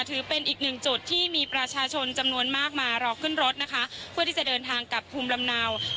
ถือเป็นอีกหนึ่งจุดที่มีประชาชนจำนวนมากมารอขึ้นรถนะคะเพื่อที่จะเดินทางกลับภูมิลำเนา